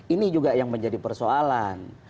ini juga yang menjadi persoalan